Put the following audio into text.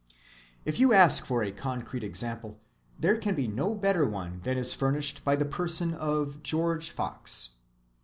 If you ask for a concrete example, there can be no better one than is furnished by the person of George Fox.